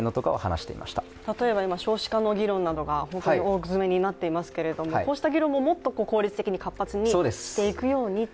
例えば少子化の議論が今、大詰めになっていますけれどもこうした議論ももっと効率的にしていけるようにと？